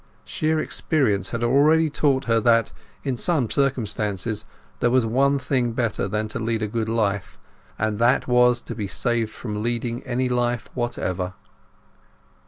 Sheer experience had already taught her that in some circumstances there was one thing better than to lead a good life, and that was to be saved from leading any life whatever.